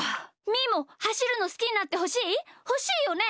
みーもはしるのすきになってほしい？ほしいよね！？